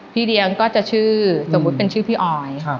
พี่เลี้ยงก็จะชื่อสมมุติเป็นชื่อพี่ออย